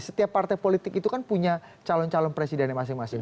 setiap partai politik itu kan punya calon calon presidennya masing masing